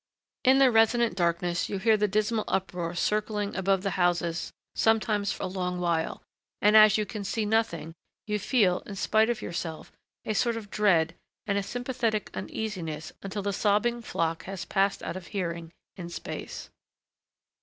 In the resonant darkness you hear the dismal uproar circling above the houses sometimes for a long while; and as you can see nothing, you feel, in spite of yourself, a sort of dread and a sympathetic uneasiness until the sobbing flock has passed out of hearing in space.